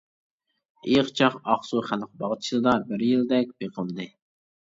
ئېيىقچاق ئاقسۇ خەلق باغچىسىدا بىر يىلدەك بېقىلدى.